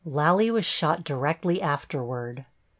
Lally was shot directly afterward.